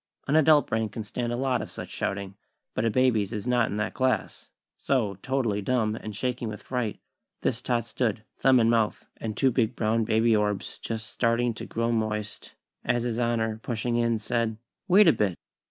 _" An adult brain can stand a lot of such shouting, but a baby's is not in that class; so, totally dumb, and shaking with fright, this tot stood, thumb in mouth, and two big brown baby orbs just starting to grow moist, as His Honor, pushing in, said: "Wait a bit!!"